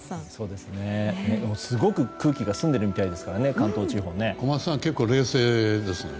でも、すごく空気が澄んでるみたいですからね小松さんは結構冷静ですね。